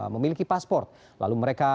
memiliki paspor lalu mereka